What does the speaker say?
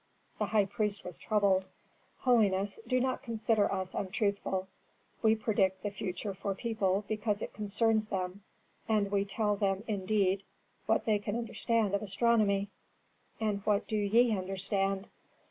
The high priest was troubled. "Holiness, do not consider us untruthful. We predict the future for people because it concerns them, and we tell them, indeed, what they can understand of astronomy." "And what do ye understand?"